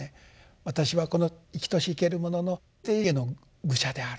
私はこの生きとし生けるものの底下の愚者であると。